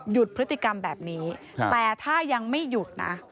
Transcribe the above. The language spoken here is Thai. พฤติกรรมแบบนี้แต่ถ้ายังไม่หยุดนะ